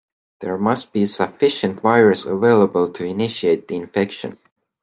There must be sufficient virus available to initiate the infection.